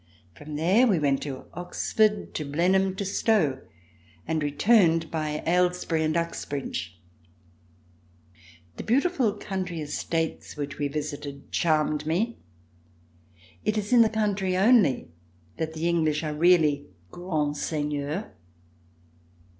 From there we went to Oxford, to Blenheim, to Stowe, and returned by Aylesbury and Uxbridge. The beautiful country estates which we visited charmed me. It is in the country only that the English are really grands seigneurs.